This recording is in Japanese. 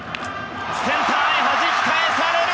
センターへはじき返される！